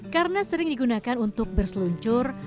karena sering digunakan untuk berseluncur